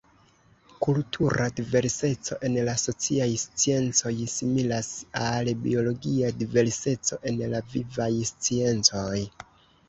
Kultura diverseco en la sociaj sciencoj similas al biologia diverseco en la vivaj sciencoj.